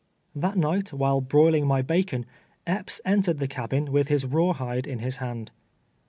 That night, while broiling my bacon, Epps entered the cabin with his rawhide in his hand.